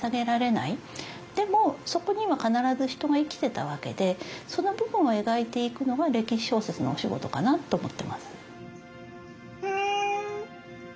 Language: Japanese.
でもそこには必ず人が生きてたわけでその部分を描いていくのが歴史小説のお仕事かなと思ってます。